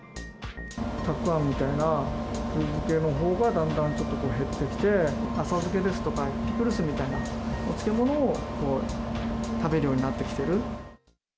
たくあんみたいな古漬けのほうがだんだんちょっと減ってきて、浅漬けですとかピクルスみたいなお漬物を食べるようになってきている。